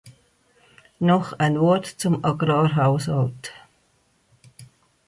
Noch ein Wort zum Agrarhaushalt.